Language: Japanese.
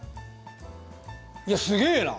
いやすげえな！